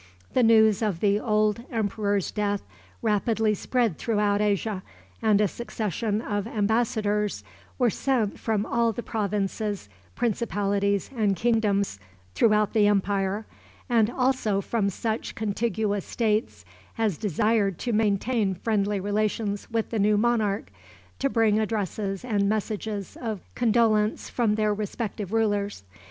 The news of the old emperor's death rapidly spread throughout Asia, and a succession of embassadors were sent from all the provinces, principalities, and kingdoms throughout the empire, and also from such contiguous states as desired to maintain friendly relations with the new monarch, to bring addresses and messages of condolence from their respective rulers.